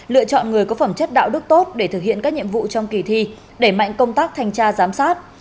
lựa chọn người có phẩm chất đạo đức tốt để thực hiện các nhiệm vụ trong kỳ thi đẩy mạnh công tác thanh tra giám sát